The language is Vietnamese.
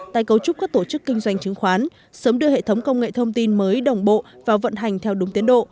tài cấu trúc các tổ chức kinh doanh chứng khoán sớm đưa hệ thống công nghệ thông tin mới đồng bộ vào vận hành theo đúng tiến độ